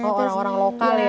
kalau orang orang lokal ya